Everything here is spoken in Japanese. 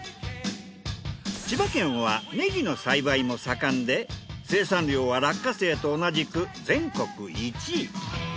千葉県はネギの栽培も盛んで生産量は落花生と同じく全国１位。